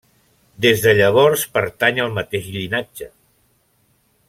Des de llavors pertany al mateix llinatge.